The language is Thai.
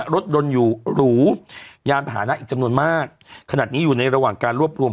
รถยนต์อยู่หรูยานพาหนะอีกจำนวนมากขนาดนี้อยู่ในระหว่างการรวบรวม